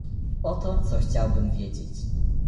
Oto, co chciałbym wiedzieć